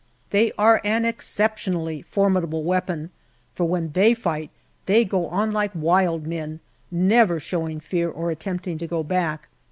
They are an exceptionally formidable weapon, for when they fight they go on like wild men, never showing fear or attempting to go back.